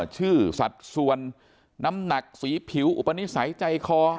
สัดส่วนน้ำหนักสีผิวอุปนิสัยใจคอ